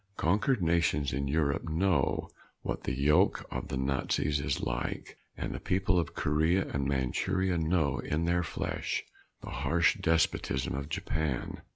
Conquered nations in Europe know what the yoke of the Nazis is like. And the people of Korea and of Manchuria know in their flesh the harsh despotism of Japan.